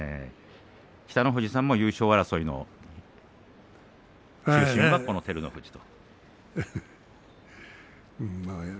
北の富士さんも優勝争いの中心はこの照ノ富士と。